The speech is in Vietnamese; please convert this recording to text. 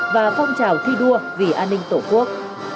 và phong trào thi đua vì an ninh tổ quốc